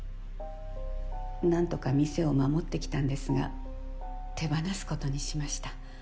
なんとか店を守ってきたんですが手放すことにしました。